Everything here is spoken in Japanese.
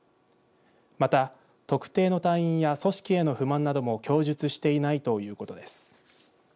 また特定の隊員や組織への不満なども供述していないということです。